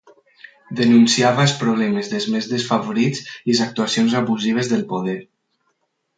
Denunciava els problemes dels més desafavorits i les actuacions abusives del poder.